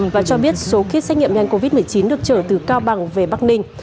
và cho biết số kit xét nghiệm nhanh covid một mươi chín được trở từ cao bằng về bắc ninh